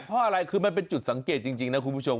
เพราะอะไรคือมันเป็นจุดสังเกตจริงนะคุณผู้ชม